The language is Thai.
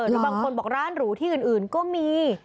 แล้วบางคนบอกร้านหรูที่อื่นก็มี